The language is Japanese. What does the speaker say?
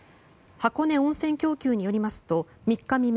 箱根温泉供給によりますと３日未明